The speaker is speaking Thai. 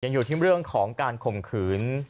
อยู่ที่เรื่องของการข่มขืน